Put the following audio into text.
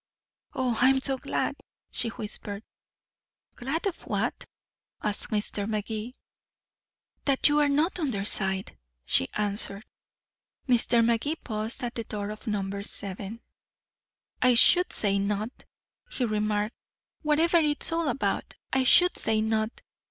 "Oh, I'm so glad," she whispered. "Glad of what?" asked Magee. "That you are not on their side," she answered. Mr. Magee paused at the door of number seven. "I should say not," he remarked. "Whatever it's all about, I should say not.